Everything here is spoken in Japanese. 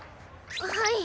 はい。